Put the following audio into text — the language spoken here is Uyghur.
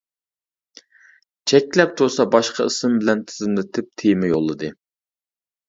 چەكلەپ تۇرسا باشقا ئىسىم بىلەن تىزىملىتىپ تېما يوللىدى.